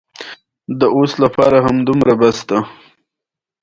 مارغه د خپلو بچیو لپاره دانه راوړي.